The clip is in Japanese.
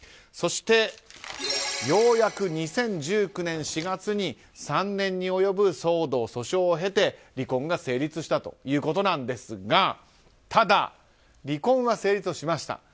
そして、ようやく２０１９年４月３年に及ぶ騒動、訴訟を経て離婚が成立したということですがただ、離婚は成立しました。